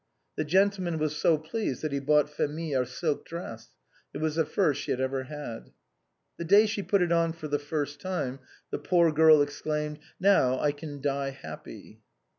The gentleman was so pleased that he bought Phémie a silk dress ; it was the first she had ever had. The day she put it on for the first time the poor girl exclaimed :" Now I can die happy."